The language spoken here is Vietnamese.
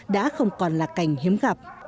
đã không còn là cảnh hiếm gặp